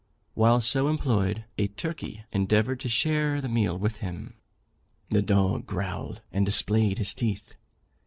While so employed, a turkey endeavoured to share the meal with him. The dog growled, and displayed his teeth.